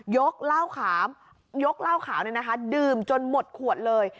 ยกเหล้าขาวดื่มจนหมดขวดเลย